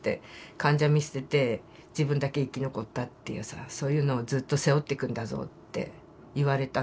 患者見捨てて自分だけ生き残ったっていうさそういうのをずっと背負っていくんだぞって言われたんですよ。